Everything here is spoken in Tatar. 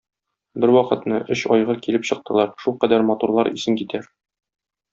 Бервакытны өч айгыр килеп чыктылар, шулкадәр матурлар, исең китәр.